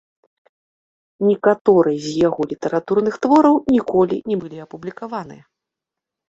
Некаторыя з яго літаратурных твораў ніколі не былі апублікаваныя.